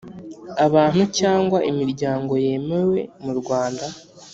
abantu cyangwa imiryango yemewe mu Rwanda